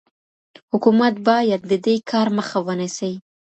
حکومت باید د دې کار مخه ونیسي.